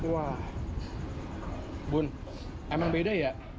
wah bun emang beda ya